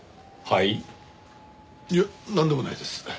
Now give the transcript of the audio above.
いえなんでもないです。